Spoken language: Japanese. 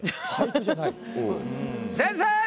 先生！